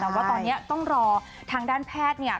แต่ว่าตอนนี้ต้องรอทางด้านแพทย์เนี่ย